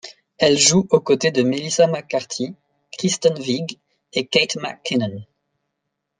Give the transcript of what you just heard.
Elle joue aux côtés de Melissa McCarthy, Kristen Wiig et Kate McKinnon.